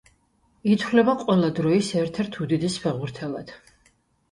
ითვლება ყველა დროის ერთ-ერთ უდიდეს ფეხბურთელად.